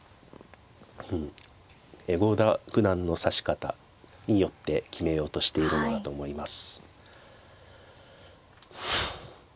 うん郷田九段の指し方によって決めようとしているのだと思います。